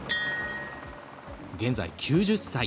現在９０歳。